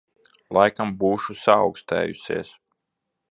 Laikam būšu saaukstējusies.